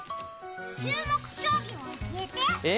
注目競技を教えて。